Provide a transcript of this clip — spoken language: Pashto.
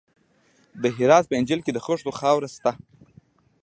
د هرات په انجیل کې د خښتو خاوره شته.